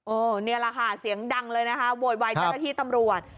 โอ้เนี่ยล่ะค่ะเสียงดังเลยนะคะโหยไว้เจ้าหน้าที่ตำลวด